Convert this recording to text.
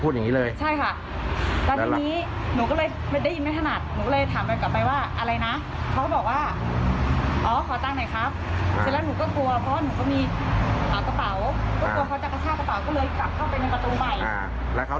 ผู้ชายคนนั้นเขาก็เดินเข้ามา